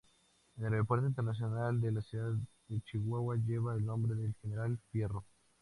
El Aeropuerto Internacional de la Ciudad de Chihuahua lleva el nombre del General Fierro.